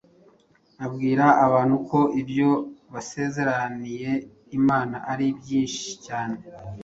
Abwira abantu ko ibyo basezeraniye Imana ari byinshi cyane